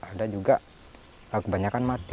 ada juga kebanyakan mati